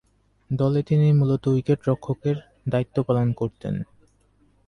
দলে তিনি মূলতঃ উইকেট-রক্ষকের দায়িত্ব পালন করতেন।